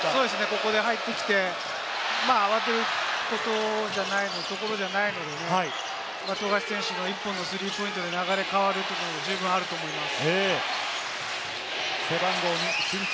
ここで入ってきて、慌てるとこじゃないので、富樫選手の１本のスリーポイントで流れが変わるというのも十分あると思います。